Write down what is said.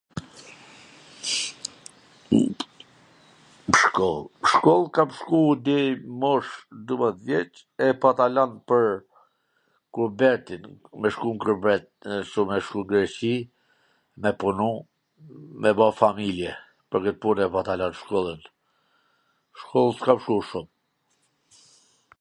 shkoll, shkoll kam shku deri n mosh dymdhjet vjeC, e pata lan pwr kurbetin me shku n kurbet, me shku n Greqi, me punu, me ba familje, pwr kwt pun e pata lan shkollwn, shkoll s kam shku shum